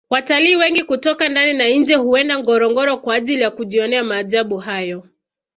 watalii wengi kutoka ndani na nje huenda ngorongoro kwa ajili ya kujionea maajabu hayo